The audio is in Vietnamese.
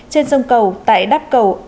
trên sông cầu tại đắp cầu